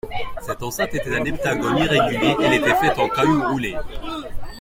Cette enceinte était un heptagone irrégulier, elle était faite en cailloux roulés.